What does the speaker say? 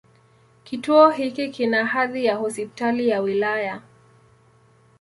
Kituo hiki kina hadhi ya Hospitali ya wilaya.